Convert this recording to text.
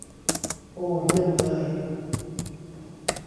โอ เยี่ยมเลย